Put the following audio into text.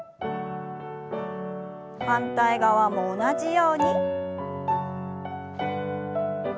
反対側も同じように。